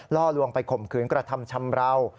ล่อลวงไปข่มขืนกระทำชำราว